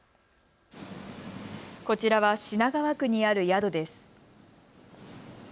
こちらは品川区にある宿です。